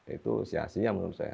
itu sia sia menurut saya